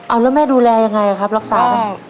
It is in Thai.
แล้วแม่ดูแลอย่างไรครับรักษา